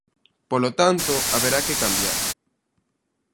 Polo tanto, haberá que cambiar.